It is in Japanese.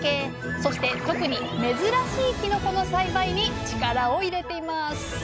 そして特に珍しいきのこの栽培に力を入れています